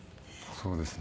そうですね。